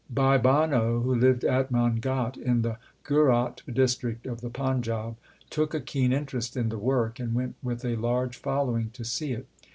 Bhai Banno, who lived at Mangat in the Gujrat district of the Panjab, took a keen interest in the work, and went with a large following to see it.